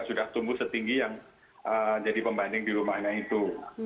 sudah tumbuh setinggi yang jadi pembanding di rumahnya itu